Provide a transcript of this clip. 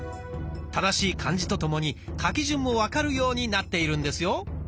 正しい漢字とともに書き順も分かるようになっているんですよ。